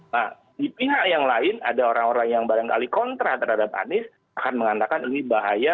nah di pihak yang lain ada orang orang yang barangkali kontra terhadap anies akan mengatakan ini bahaya